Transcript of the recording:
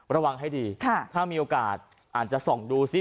ระวังให้ดีถ้ามีโอกาสอาจจะส่องดูซิ